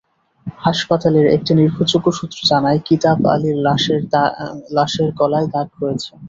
হাসপাতালের একটি নির্ভরযোগ্য সূত্র জানায়, কিতাব আলীর লাশের গলায় দাগ রয়েছে।